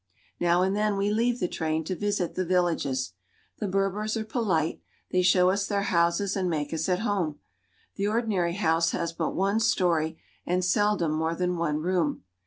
Now and then we leave the train to visit the villages. The Berbers are polite ; they show us their houses and make us at home. The ordinary house has but one story, and seldom more than one room.